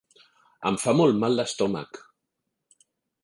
Em fa molt mal l'estómac.